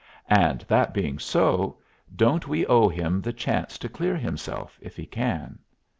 And that being so, don't we owe him the chance to clear himself if he can?